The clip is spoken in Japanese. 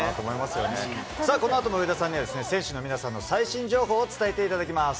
さあ、このあとも上田さんには、選手の皆さんの最新情報を伝えていただきます。